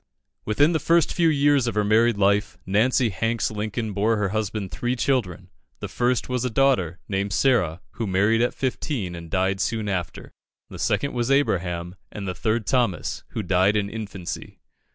Within the first few years of her married life, Nancy Hanks Lincoln bore her husband three children. The first was a daughter, named Sarah, who married at fifteen, and died soon after; the second was Abraham; and the third Thomas, who died in infancy.